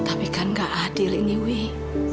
tapi kan keadil ini wih